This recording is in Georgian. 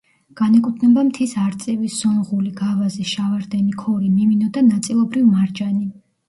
განეკუთვნება მთის არწივი, სონღული, გავაზი, შავარდენი, ქორი, მიმინო და ნაწილობრივ მარჯანი.